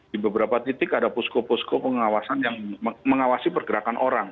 di beberapa titik ada posko posko pengawasan yang mengawasi pergerakan orang